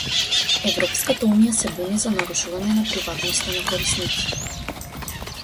Европската Унија се буни за нарушување на приватноста на корисниците.